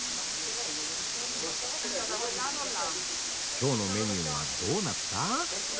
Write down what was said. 今日のメニューはドーナツか？